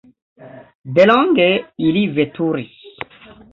Delonge ili veturis.